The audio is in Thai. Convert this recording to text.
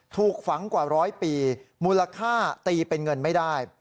ถูกฝังกว่าร้อยปีมูลค่าตีเป็นเงินไม่ได้